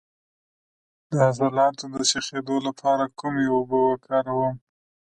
د عضلاتو د شخیدو لپاره کومې اوبه وکاروم؟